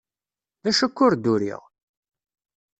D acu akka ur d-uriɣ?